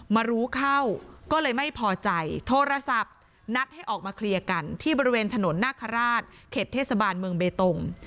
มารู้เข้าก็เลยไม่พอใจโทรศัพท์นัดให้ออกมาเคลียร์กันที่บริเวณถนนนาคาราชเขตเทศบาลเมืองเบตง